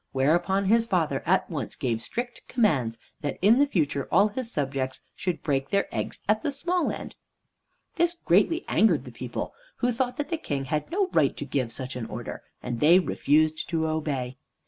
Whereupon his father at once gave strict commands that in future all his subjects should break their eggs at the small end. This greatly angered the people, who thought that the King had no right to give such an order, and they refused to obey.